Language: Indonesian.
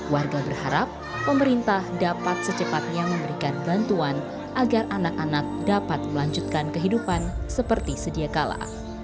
warga berharap pemerintah dapat secepatnya memberikan bantuan agar anak anak dapat melanjutkan kehidupan seperti sedia kala